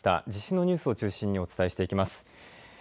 地震のニュースを中心にお伝えしていきます。